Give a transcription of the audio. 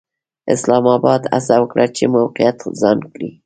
اسلام اباد هڅه وکړه چې موقعیت ځان کړي.